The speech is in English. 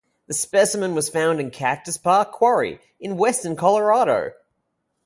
The specimen was found in Cactus Park Quarry in western Colorado.